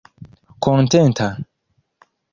kontenta